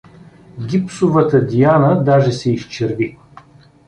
Гипсовата Диана даже се изчерви!